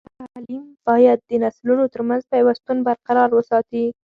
تعلیم باید د نسلونو ترمنځ پیوستون برقرار وساتي.